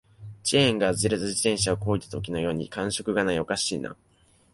チェーンが外れた自転車を漕いだときのように感触がない、おかしいな